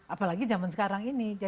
apalagi zaman sekarang ini